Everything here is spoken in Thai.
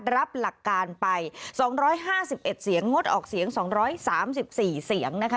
รับหลักการไป๒๕๑เสียงงดออกเสียง๒๓๔เสียงนะคะ